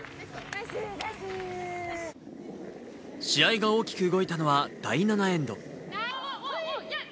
試合が大きく動いたのは第７エンド。